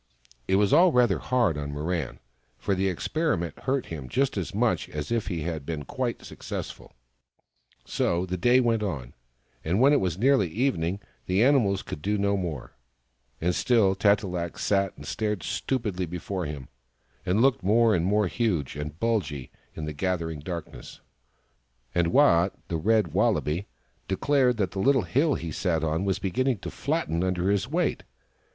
It was all rather hard on Mirran, for the experi ment hurt him just as much as if it had been quite successful. So the day went on, and when it was nearly evening, the animals could do no more : and still Tat e lak sat and stared stupidly before him, and looked more and more huge and bulgy in the gather ing darkness ; and Waat, the Red Wallaby, declared THE FROG THAT LAUGHED 125 that the little hill he sat on was beginning to flatten under his weight.